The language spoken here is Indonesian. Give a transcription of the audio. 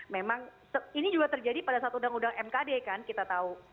memang ini juga terjadi pada saat undang undang mkd kan kita tahu